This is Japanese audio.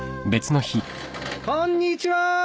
こんにちは！